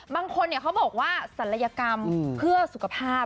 บางคนเขาบอกว่าศัลยกรรมเพื่อสุขภาพ